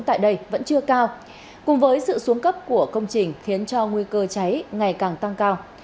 tại đây vẫn chưa cao cùng với sự xuống cấp của công trình khiến cho nguy cơ cháy ngày càng tăng cao